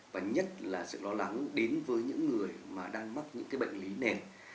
và nhất là sự lo lắng đến với những người mà đang mắc những cái bệnh lý nền